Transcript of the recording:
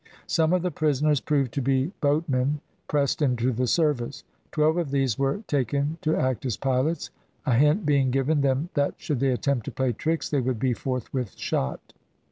Some of the prisoners proved to be boatmen, pressed into the service. Twelve of these were taken to act as pilots, a hint being given them that should they attempt to play tricks they would be forthwith shot.